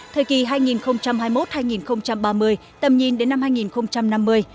thời kỳ hai nghìn hai mươi một hai nghìn ba mươi tầm nhìn đến năm hai nghìn năm mươi